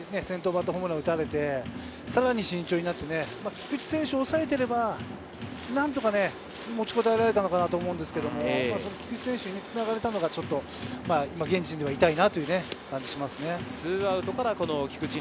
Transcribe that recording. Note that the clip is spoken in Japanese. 慎重にいこうと思ったところに先頭バッターホームラン打たれて、さらに慎重になって菊池選手を抑えていれば、何とか持ちこたえられたのかなと思うんですけれど、菊池選手につながれたのが、ベンチとしては痛いなという感じですね。